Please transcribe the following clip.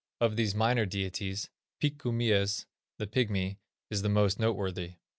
Of these minor deities, Pikku Mies (the Pigmy) is the most noteworthy.